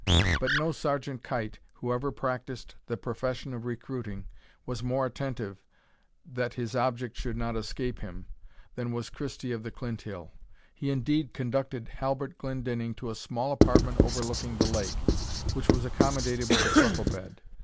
But no Sergeant Kite, who ever practised the profession of recruiting, was more attentive that his object should not escape him, than was Christie of the Clinthill. He indeed conducted Halbert Glendinning to a small apartment overlooking the lake, which was accommodated with a truckle bed.